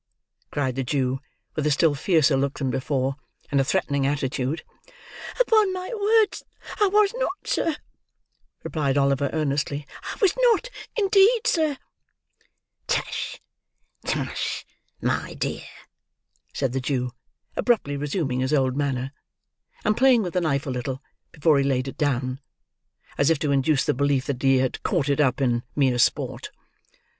cried the Jew: with a still fiercer look than before: and a threatening attitude. "Upon my word I was not, sir," replied Oliver, earnestly. "I was not, indeed, sir." "Tush, tush, my dear!" said the Jew, abruptly resuming his old manner, and playing with the knife a little, before he laid it down; as if to induce the belief that he had caught it up, in mere sport.